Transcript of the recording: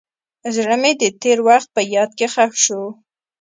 زړه مې د تېر وخت په یاد کې ښخ شو.